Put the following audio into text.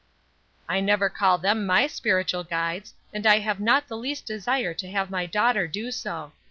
"I never call them my spiritual guides, and I have not the least desire to have my daughter do so.